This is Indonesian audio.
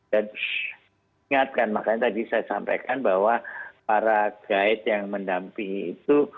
dan ingatkan makanya tadi saya sampaikan bahwa para guide yang mendampingi itu